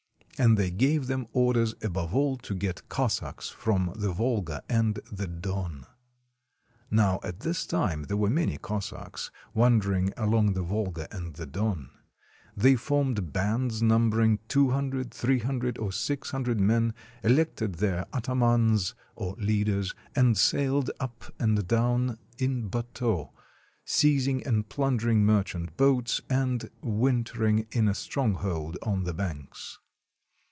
And they gave them orders above all to get Cossacks from the Volga and the Doi). Now at this time there were many Cossacks wander ing along the Volga and the Don. They formed bands numbering two hundred, three hundred, or six hundred men, elected their atamans, or leaders, and sailed up and down in bateaux, seizing and plundering merchant boats, and wintering in a stronghold on the banks.